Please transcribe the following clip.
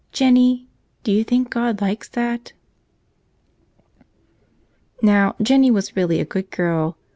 Jennie, do you think God likes that?" Now, Jennie was really a good girl.